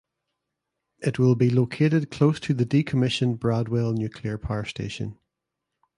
It will be located close to the decommissioned Bradwell nuclear power station.